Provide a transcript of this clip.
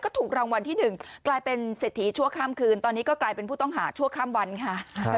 ถูกรางวัลที่๑กลายเป็นเศรษฐีชั่วข้ามคืนตอนนี้ก็กลายเป็นผู้ต้องหาชั่วข้ามวันค่ะ